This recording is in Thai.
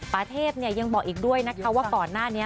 เทพยังบอกอีกด้วยนะคะว่าก่อนหน้านี้